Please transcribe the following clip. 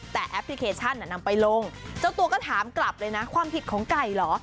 แต่แอปพลิเคชันนำไปลงเจ้าตัวก็ถามกลับเลยนะความผิดของไก่เหรอ